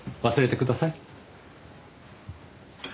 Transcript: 忘れてください。